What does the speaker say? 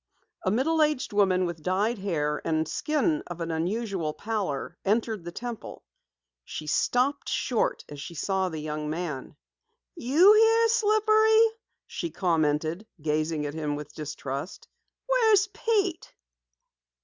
A middle aged woman with dyed hair and a skin of unusual pallor entered the Temple. She stopped short as she saw the young man. "You here, Slippery?" she commented, gazing at him with distrust. "Where's Pete?"